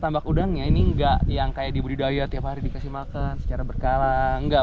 tambak udangnya ini enggak yang kayak dibudidaya tiap hari dikasih makan secara berkala enggak